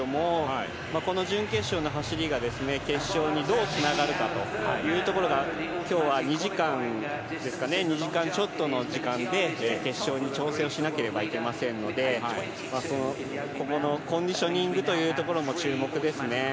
この準決勝の走りが決勝にどう繋がるかというところが今日は２時間ですか、２時間ちょっとの時間で決勝に調整しなければいけませんのでそのコンディショニングというところも注目です。